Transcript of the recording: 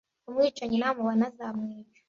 uwo mwicanyi namubona azamwica